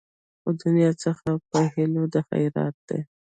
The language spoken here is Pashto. خو دنیا څخه په هیله د خیرات دي